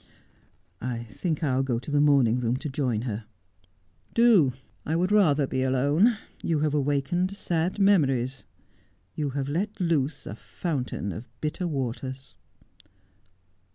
' I think I'll go to the morning room to join her.' ' Do. I would rather be alone. You have awakened sad memories. You have let loose a fountain of bitter waters.'